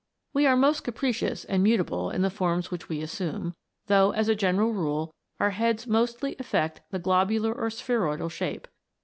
We are most capricious and mutable in the forms which we assume, though, as a general rule, our heads mostly affect the globular or spheroidal shape.